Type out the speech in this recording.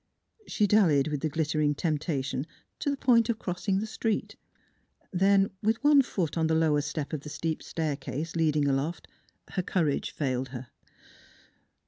She dallied with the glittering temptation to the point of crossing the street. Then, with one foot on the lower step of the steep staircase leading aloft, her courage failed her.